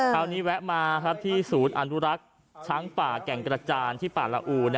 แวะมาที่ศูนย์อนุรักษ์ช้างป่าแก่งกระจานที่ป่าละอู